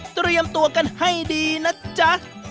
เตรียมตัวกันให้ดีนะจ๊ะ